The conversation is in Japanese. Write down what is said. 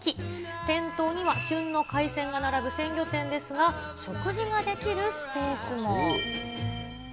店頭には旬の海鮮が並ぶ鮮魚店ですが、食事ができるスペースも。